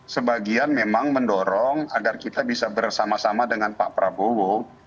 sebagian memang mendorong agar kita bisa bersama sama dengan pak prabowo